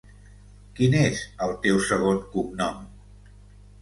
Quin és el teu segon cognom?